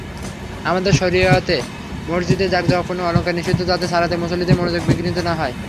আমাদের শরীয়তে মসজিদে জাঁকজমকপূর্ণ অলংকরণ নিষিদ্ধ, যাতে সালাতে মুসল্লীদের মনোযোগ বিঘ্নিত না হয়।